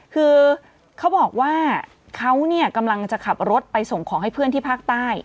คือเขาบอกว่าเขาเนี่ยกำลังจะขับรถไปส่งของให้เพื่อนที่ภาคใต้